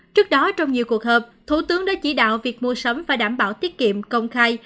trước đó trong nhiều cuộc họp thủ tướng đã chỉ đạo việc mua sắm và đảm bảo tiết kiệm công khai